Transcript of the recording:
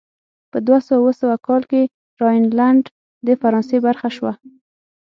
په دوه سوه اووه کال کې راینلنډ د فرانسې برخه شوه.